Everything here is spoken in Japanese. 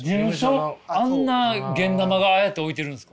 あんなゲンナマがああやって置いてるんですか？